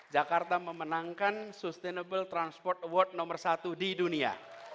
jakarta memenangkan sustainable transport award nomor satu di dunia